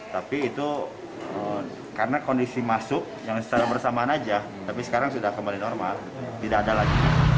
tapi itu karena kondisi masuk yang secara bersamaan saja tapi sekarang sudah kembali normal tidak ada lagi